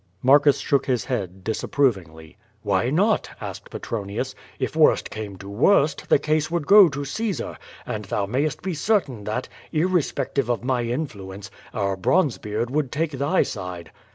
'^ Marcus shook his head disapprovingly. "Why not?" asked Petronius. "If worst came to worst, the case would go to Caesar, and thou mayest be certain that, irrespective of my influence, our Bronzebeard would take thy side."